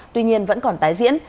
tuy nhiên vẫn còn tái diễn